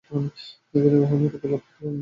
তিনি কখনোই আরোগ্য লাভ করতে পারেননি।